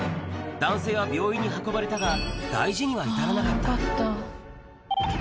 男性は病院に運ばれたが、大事には至らなかった。